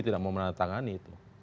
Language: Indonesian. tidak mau menandatangani